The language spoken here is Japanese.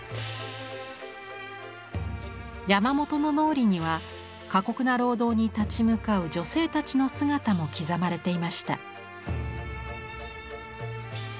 山本の脳裏には過酷な労働に立ち向かう女性たちの姿も刻まれていました。